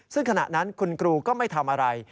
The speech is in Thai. ซึ่งขณะนั้นคุณครูก็ไม่ทำอะไร